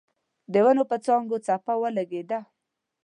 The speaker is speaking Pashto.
د ونو پر څانګو څپه ولګېده.